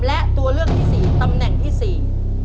และตัวเลือกที่สี่ตำแหน่งที่สี่